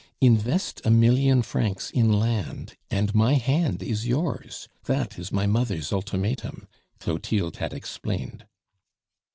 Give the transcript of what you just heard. "Invest a million francs in land, and my hand is yours: that is my mother's ultimatum," Clotilde had explained.